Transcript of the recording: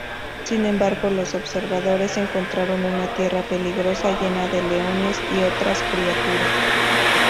Sin embargo, los observadores encontraron una tierra peligrosa llena de leones y otras criaturas.